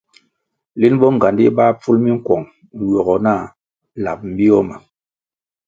Lin bonğandi báh pful minkuong ywogo nah lab bio ma.